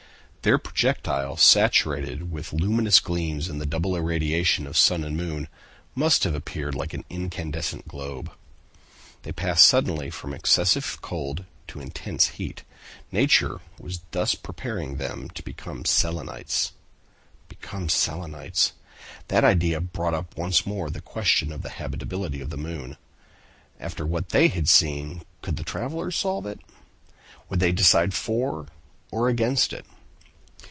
Their projectile, saturated with luminous gleams in the double irradiation of sun and moon, must have appeared like an incandescent globe. They had passed suddenly from excessive cold to intense heat. Nature was thus preparing them to become Selenites. Become Selenites! That idea brought up once more the question of the habitability of the moon. After what they had seen, could the travelers solve it? Would they decide for or against it?